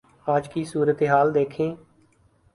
آج کی صورتحال دیکھیں۔